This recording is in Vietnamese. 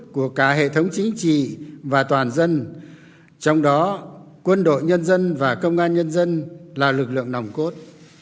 của cả hệ thống chính trị và toàn dân trong đó quân đội nhân dân và công an nhân dân là lực lượng nòng cốt